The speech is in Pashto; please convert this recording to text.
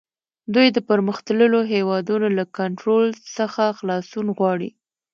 دوی د پرمختللو هیوادونو له کنټرول څخه خلاصون غواړي